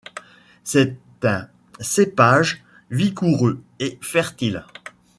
C'est un cépage vigoureux et fertile.